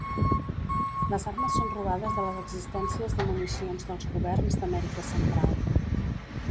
Les armes són robades de les existències de municions dels governs d'Amèrica Central.